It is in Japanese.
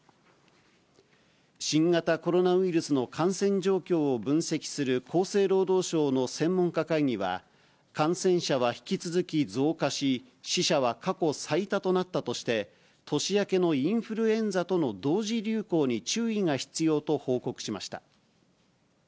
新型コロナウイルスの感染状況を分析する厚生労働省の専門家会議は、感染者は引き続き増加し、死者は過去最多となったとして、年明けのインフルエンザとの同時流行に注意が必要と報告しました。